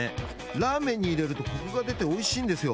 ラーメンに入れるとコクが出ておいしいんですよ